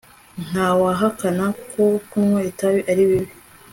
Ntawahakana ko kunywa itabi ari bibi